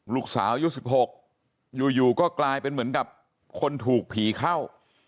ลูกสาวอายุ๑๖อยู่ก็กลายเป็นเหมือนกับคนถูกผีเข้า